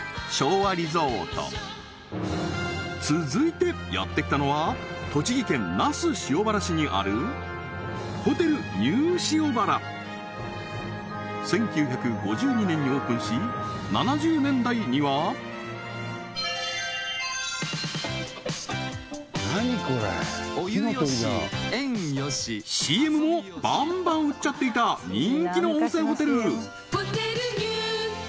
続いてやって来たのは栃木県那須塩原市にある１９５２年にオープンし７０年代にはＣＭもバンバン打っちゃっていた人気の温泉ホテル